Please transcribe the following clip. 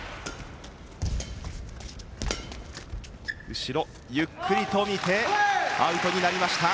後ろ、ゆっくりと見てアウトになりました。